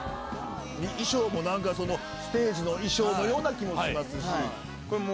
衣装もステージの衣装のような気もしますし。